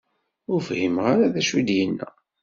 Ur fhimeɣ ara d acu ay d-yenna.